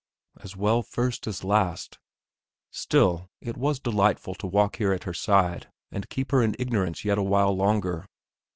As well first as last. Still, it was delightful to walk here at her side and keep her in ignorance yet a while longer.